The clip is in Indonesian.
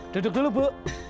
duduk dulu bu